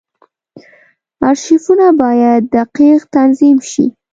ارشیفونه باید دقیق تنظیم شي.